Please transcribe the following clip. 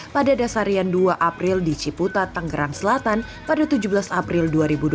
pada dasarian dua april di ciputat tanggerang selatan pada tujuh belas april dua ribu dua puluh